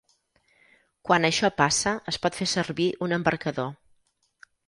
Quan això passa es pot fer servir un embarcador.